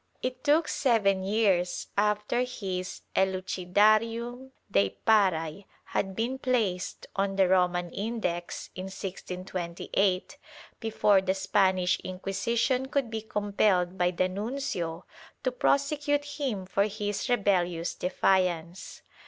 It took seven years after his Elucidarium Deiparce had been placed on the Roman Index, in 1628, before the Spanish Inqui sition could be compelled by the nuncio to prosecute him for his rebellious defiance.